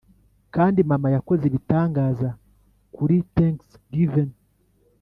kandi mama yakoze ibitangaza buri thanksgivin '